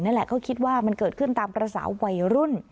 นั่นแหละเขาคิดว่ามันเกิดขึ้นตามประสาวไวรุ่น